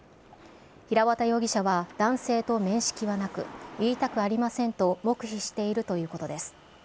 平綿容疑者は男性と面識はなく、言いたくありませんと黙秘しているということです。